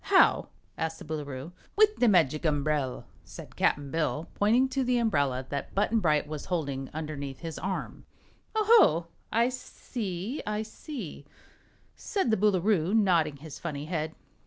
How?" asked the Boolooroo. "With the Magic Umbrel," said Cap'n Bill, pointing to the umbrella that Button Bright was holding underneath his arm. "Oh, ho! I see I see," said the Boolooroo, nodding his funny head.